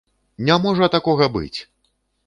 Не можа такога быць!